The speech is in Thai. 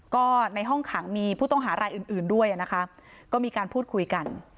ก็ในห้องขังมีผู้ต้องหารายอื่นอื่นด้วยนะคะก็มีการพูดคุยกัน